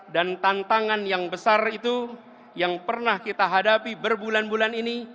dan tantangan yang besar itu yang pernah kita hadapi berbulan bulan ini